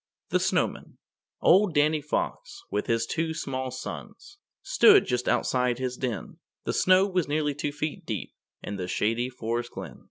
THE SNOWMAN Old Danny Fox, with his two small sons, Stood just outside his den; The snow was nearly two feet deep In the Shady Forest Glen.